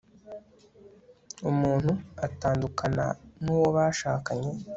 umuntu atandukana nu wo bashakanye